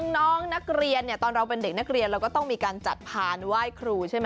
น้องนักเรียนเนี่ยตอนเราเป็นเด็กนักเรียนเราก็ต้องมีการจัดพานไหว้ครูใช่ไหม